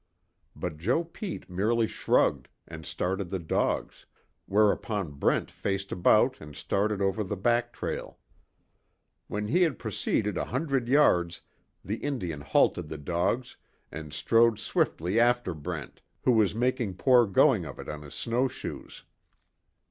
But Joe Pete merely shrugged, and started the dogs, whereupon Brent faced about and started over the back trail. When he had proceeded a hundred yards the Indian halted the dogs, and strode swiftly after Brent, who was making poor going of it on his snowshoes.